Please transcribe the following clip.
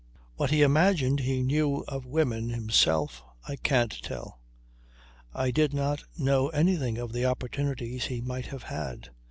What he imagined he knew of women himself I can't tell. I did not know anything of the opportunities he might have had.